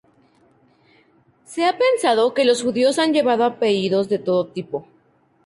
Se ha pensado que los judíos han llevado apellidos de todo tipo.